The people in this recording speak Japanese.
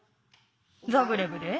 ザグレブで？